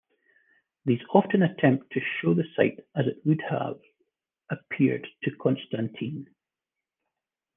These often attempt to show the site as it would have appeared to Constantine.